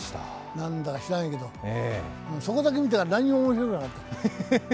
なんだか知らないけどそこだけ見たら、何もおもしろくなかった。